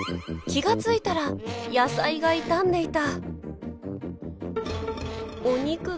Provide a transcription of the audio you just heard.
気が付いたら野菜が傷んでいた。